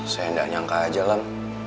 saya tidak menyangka saja lam